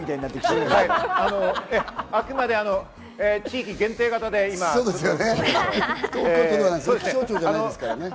ええ、あくまで地域限定形で気象庁じゃないですからね。